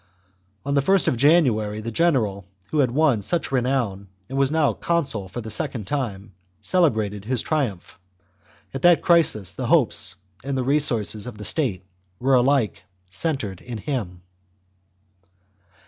On the first of January the general who had won such renown, and was now consul for the second time, celebrated his triumph. At that crisis the hopes and the resources of the state were alike centred in him.